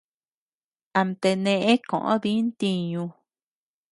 Amtea neʼë koʼö dï ntiñu.